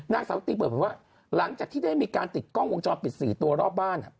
นางสาวิตรีเปิดเผยว่าหลังจากที่ได้มีการติดกล้องวงจรปิด๔ตัวรอบบ้าน